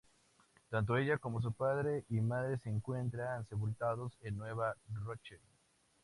Tanto ella como su padre y madre se encuentran sepultados en Nueva Rochelle.